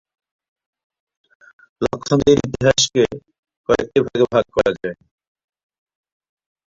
লক্ষ্মণদের ইতিহাসকে কয়েকটি ভাগে ভাগ করা যায়।